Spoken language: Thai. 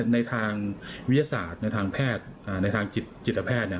ในทางวิทยาศาสตร์ในทางแพทย์ในทางจิตแพทย์เนี่ย